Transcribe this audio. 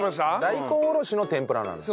大根おろしの天ぷらなのよ。